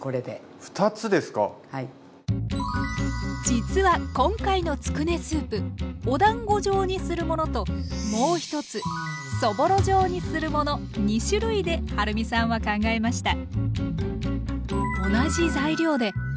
実は今回のつくねスープおだんご状にするものともう一つそぼろ状にするもの２種類ではるみさんは考えました。